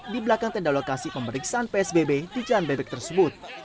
di belakang tenda lokasi pemeriksaan psbb di jalan bebek tersebut